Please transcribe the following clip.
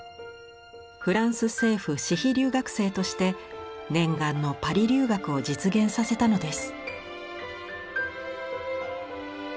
フランス政府私費留学生として念願のパリ留学を実現させたのです。